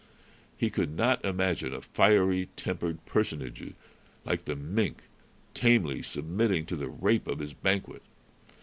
He could not imagine a fiery tempered personage like the mink tamely submitting to the rape of his banquet.